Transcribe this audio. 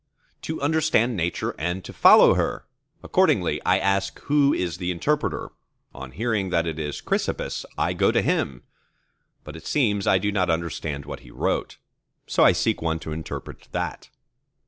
To understand Nature, and to follow her! Accordingly I ask who is the Interpreter. On hearing that it is Chrysippus, I go to him. But it seems I do not understand what he wrote. So I seek one to interpret that.